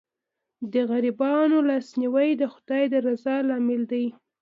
د غریبانو لاسنیوی د خدای د رضا لامل دی.